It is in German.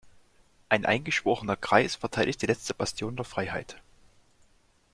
Ein eingeschworener Kreis verteidigt die letzte Bastion der Freiheit.